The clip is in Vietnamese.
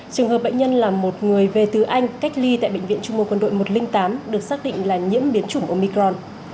trường hợp bệnh nhân là một người về từ anh cách ly tại bệnh viện trung mô quân đội một trăm linh tám được xác định là nhiễm biến chủng omicron